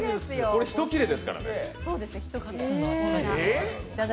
これ一切れですからね。